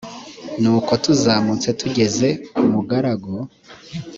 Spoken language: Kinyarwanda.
nuko tuzamutse tugeze kuri umugaragu